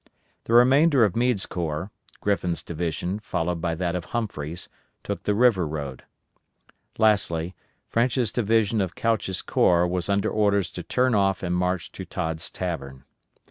The remainder of Meade's corps Griffin's division, followed by that of Humphreys took the river road. Lastly, French's division of Couch's corps was under orders to turn off and march to Todd's Tavern.